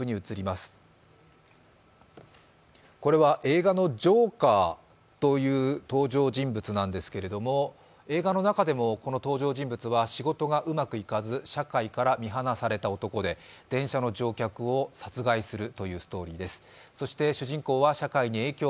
これは映画のジョーカーという登場人物ですが映画の中でもこの登場人物は仕事がうまくいかず社会から見放された男で、電車の乗客を殺害するというストーリーです。